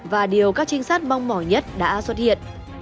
và điều các trinh sát mong mỏi nhất đã xuất hiện